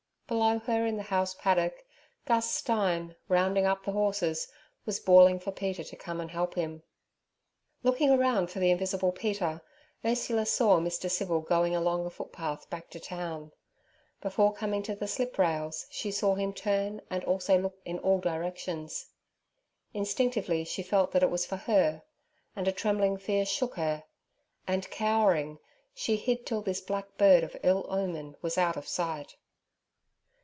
Below her in the house paddock, Gus Stein, rounding up the horses, was bawling for Peter to come and help him. Looking about for the invisible Peter, Ursula saw Mr. Civil going along a footpath back to town. Before coming to the slip rails, she saw him turn and also look in all directions. Instinctively she felt that it was for her, and a trembling fear shook her; and, cowering, she hid till this black bird of ill omen was out of sight.